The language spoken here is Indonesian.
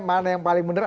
mana yang paling benar